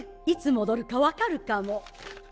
いつ戻るか分かるかも。